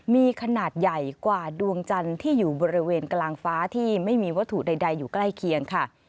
มีขนาดใหญ่กว่าดวงจันทร์ที่อยู่บริเวณกลางฟ้าที่ไม่มีวัตถุใดอยู่ใกล้เคียงค่ะ